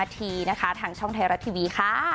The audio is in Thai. ที่๑๐นาทีทางช่องไทยรัตน์ทีวี